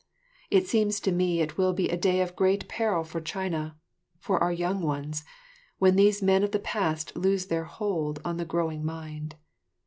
It seems to me it will be a day of great peril for China, for our young ones, when these men of the past lose their hold on the growing mind.